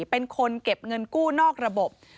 เป็นคนเก็บเงินกู้นอกระบบ